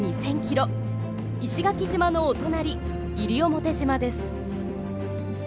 石垣島のお隣西表島です。